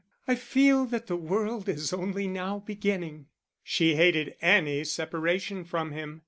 I feel that the world is only now beginning." She hated any separation from him.